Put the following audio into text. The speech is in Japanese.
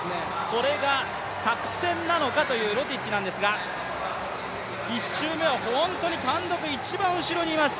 これが作戦なのかというロティッチなんですが１周目は本当に単独一番後ろにいます。